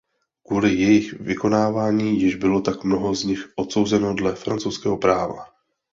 Kvůli jejich vykonávání již bylo tak mnoho z nich odsouzeno dle francouzského práva.